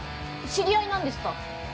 知り合いなんですか？